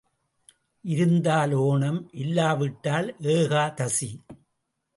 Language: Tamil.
இருந்தால் ஓணம் இல்லா விட்டால் ஏகாதசி.